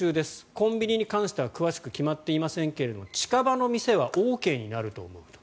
コンビニに関しては詳しく決まっていませんが近場の店はＯＫになると思う。